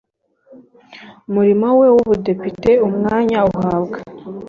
murimo we w ubudepite umwanya uhabwa